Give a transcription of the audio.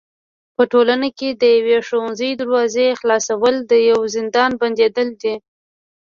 په ټولنه کي د يوي ښوونځي د دروازي خلاصول د يوه زندان بنديدل دي.